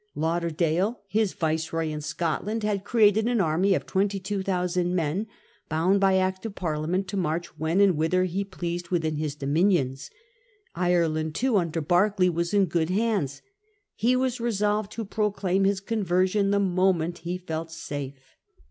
Lauderdale, his viceroy in Scotland, had created an army of 22,000 men, bound by Act of Parliament to march when and whither he pleased within his dominions. Ireland too, under Berkeley, was in good hands. He was re solved to proclaim his conversion the moment he felt safe.